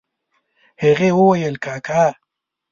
هغې وويل کاکا.